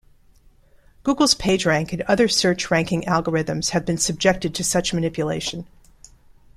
Google's PageRank and other search ranking algorithms have been subjected to such manipulation.